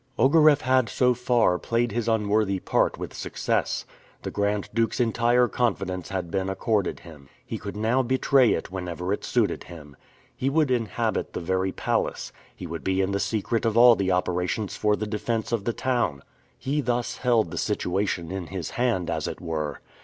Ogareff had so far played his unworthy part with success. The Grand Duke's entire confidence had been accorded him. He could now betray it whenever it suited him. He would inhabit the very palace. He would be in the secret of all the operations for the defense of the town. He thus held the situation in his hand, as it were.